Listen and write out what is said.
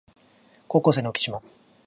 高校生の浮島